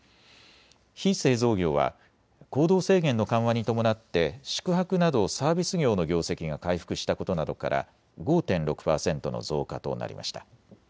非製造業は行動制限の緩和に伴って宿泊などサービス業の業績が回復したことなどから５．６％の増加となりました。